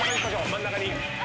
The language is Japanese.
真ん中に。